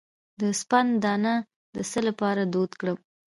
د سپند دانه د څه لپاره دود کړم؟